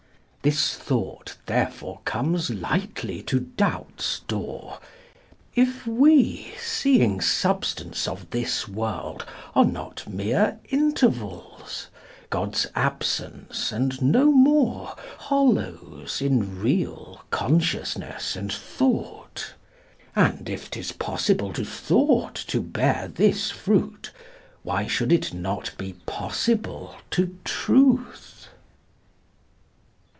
This thought therefore comes lightly to DoubtŌĆÖs doorŌĆö If we, seeing substance of this world, are not Mere Intervals, GodŌĆÖs Absence and no more, Hollows in real Consciousness and Thought. And if ŌĆÖtis possible to Thought to bear this fruit, Why should it not be possible to Truth?